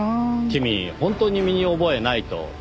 君本当に身に覚えないと？